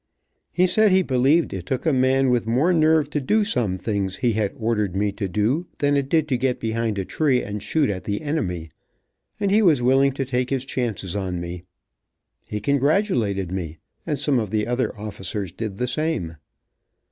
He said he believed it took a man with more nerve to do some things he had ordered me to do, than it did to get behind a tree and shoot at the enemy, and he was willing to take his chances on me. He congratulated me, and some of the other officers did the same.